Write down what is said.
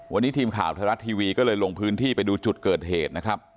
วันนี้ทีมข่าวไทยรัฐทีวีก็เลยลงพื้นที่ไปดูจุดเกิดเหตุนะครับ